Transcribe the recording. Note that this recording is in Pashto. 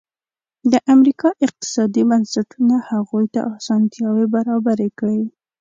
د امریکا اقتصادي بنسټونو هغوی ته اسانتیاوې برابرې کړې.